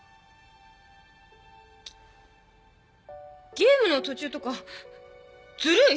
ゲームの途中とかずるい！